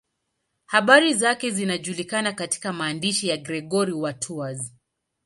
Habari zake zinajulikana katika maandishi ya Gregori wa Tours.